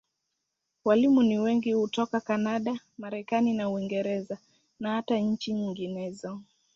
Walimu ni wengi hutoka Kanada, Marekani na Uingereza, na hata nchi nyinginezo.